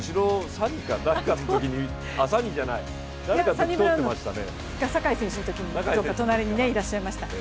サニブラウン、坂井選手のときに隣にいらっしゃいましたね。